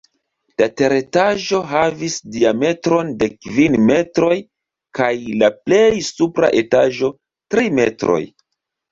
La teretaĝo havis diametron de kvin metroj kaj la plej supra etaĝo tri metroj.